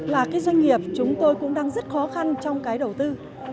là cái doanh nghiệp chúng tôi cũng đang rất khó khăn trong cái đầu tư